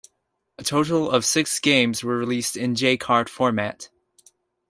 A total of six games were released in J-Cart format.